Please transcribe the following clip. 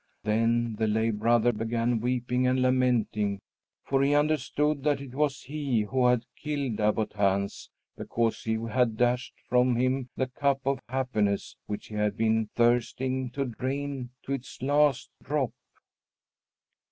Then the lay brother began weeping and lamenting, for he understood that it was he who had killed Abbot Hans because he had dashed from him the cup of happiness which he had been thirsting to drain to its last drop.